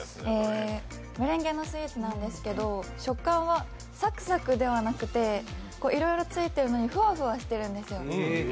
メレンゲのスイーツなんですけど食感はサクサクではなくていろいろついてるのにフワフワしてるんですよ。